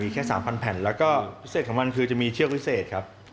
แค่๓๐๐แผ่นแล้วก็พิเศษของมันคือจะมีเชือกวิเศษครับ